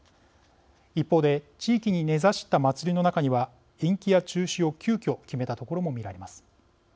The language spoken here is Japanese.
一方で地域に根ざした祭りの中には延期や中止を急きょ決めた所も見られます。